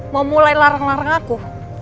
mau mulai larang larang aku